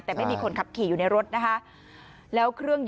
แต่ไม่มีคนขับขี่อยู่ในรถนะคะ